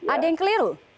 ada yang keliru